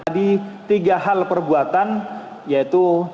tadi tiga hal perbuatan yaitu